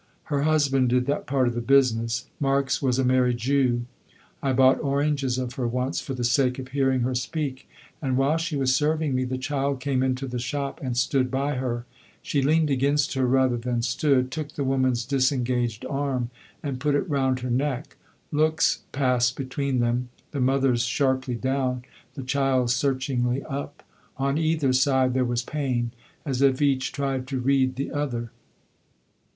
Her husband did that part of the business. Marks was a merry Jew. I bought oranges of her once for the sake of hearing her speak, and while she was serving me the child came into the shop and stood by her. She leaned against her rather than stood, took the woman's disengaged arm and put it round her neck. Looks passed between them; the mother's sharply down, the child's searchingly up. On either side there was pain, as if each tried to read the other.